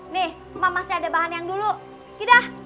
nih mak masih ada bahan yang dulu gitu dah